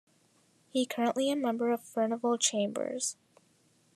He currently a member of Furnival Chambers.